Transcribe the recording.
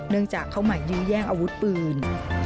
เนื่องจากเขาหมายยื้อแย่งอาวุธปืน